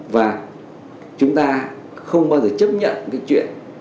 và chúng ta không bao giờ chấp nhận cái chuyện